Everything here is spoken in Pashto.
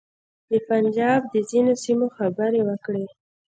د پنجاب د ځینو سیمو خبرې وکړې.